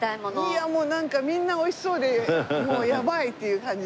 いやもうなんかみんな美味しそうでもうやばいっていう感じですね。